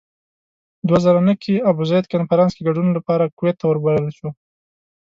دوه زره نهه کې ابوزید کنفرانس کې ګډون لپاره کویت ته وبلل شو.